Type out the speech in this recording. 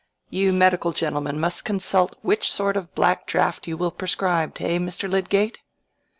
"You medical gentlemen must consult which sort of black draught you will prescribe, eh, Mr. Lydgate?"